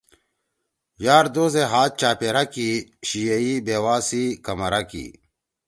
یار دوست یے ہات چاپیرا کی۔ شِیئ بیوا سی کمرا کی۔